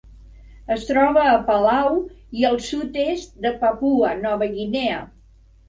Es troba a Palau i el sud-est de Papua Nova Guinea.